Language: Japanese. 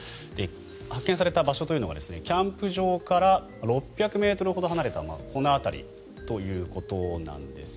発見された場所というのはキャンプ場から６００ｍほど離れたこの辺りということなんです。